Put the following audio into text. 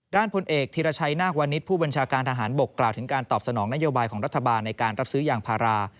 พลเอกธีรชัยนาควันนี้ผู้บัญชาการทหารบกกล่าวถึงการตอบสนองนโยบายของรัฐบาลในการรับซื้อยางพารา